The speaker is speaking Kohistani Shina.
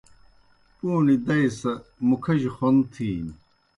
پُوݨیْ دئی سہ مُکِھجیْ خوْن تِھینیْ۔